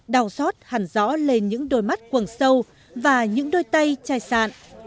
đào sót hẳn gió lên những đôi mắt quần sâu và những đôi tay chai sạn